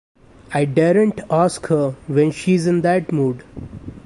I daren't ask her when she's in that mood.